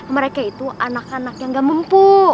mereka itu anak anak yang gak mampu